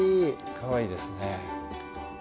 かわいいですね。